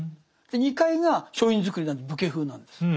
２階が書院造なんで武家風なんです。